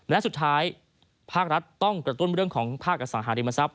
และสุดท้ายภาครัฐต้องกระตุ้นเรื่องของภาคอสังหาริมทรัพย